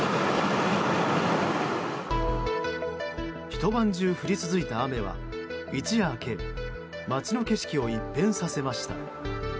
一晩中降り続いた雨は一夜明け街の景色を一変させました。